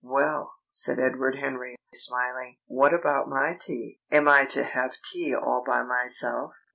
"Well," said Edward Henry, smiling. "What about my tea? Am I to have tea all by myself?"